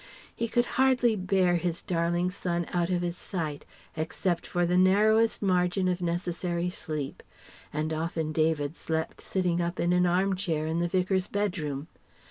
He could hardly bear his darling son out of his sight, except for the narrowest margin of necessary sleep; and often David slept sitting up in an arm chair in the Vicar's bedroom.